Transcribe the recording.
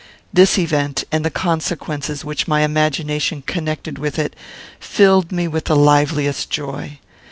This event, and the consequences which my imagination connected with it, filled me with the liveliest joy.